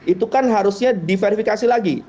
itu kan harusnya diverifikasi lagi